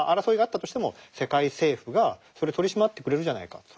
争いがあったとしても世界政府がそれを取り締まってくれるじゃないか。